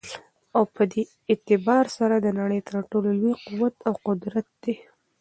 او په دي اعتبار سره دنړۍ تر ټولو لوى قوت او قدرت دى